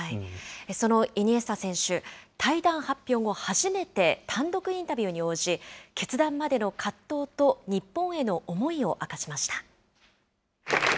そのイニエスタ選手、退団発表後初めて、単独インタビューに応じ、決断までの葛藤と日本への思いを明かしました。